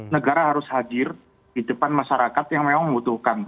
negara harus hadir di depan masyarakat yang memang membutuhkan